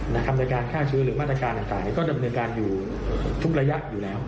ในคำนึการฆ่าชื้อหรือมาตรการอาจารย์ก็ดำเนื้อการอยู่ทุกระยะอยู่แล้ว